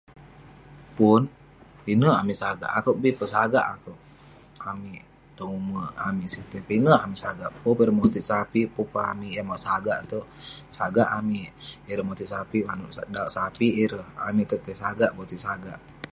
Pun..pinek amik sagak, akouk bi keh, sagak akouk..amik tong ume' amik sitey..pinek amik sagak..pun peh ireh motit sape', pun peh amik yah mauk sagak itouk, sagak amik..ireh motit sape', manouk dauwk sape' ireh..amik itouk tai sagak, botik sagak..